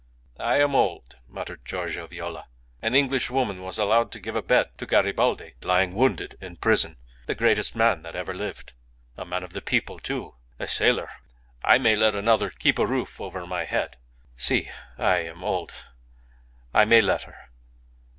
..." "I am old," muttered Giorgio Viola. "An Englishwoman was allowed to give a bed to Garibaldi lying wounded in prison. The greatest man that ever lived. A man of the people, too a sailor. I may let another keep a roof over my head. Si ... I am old. I may let her.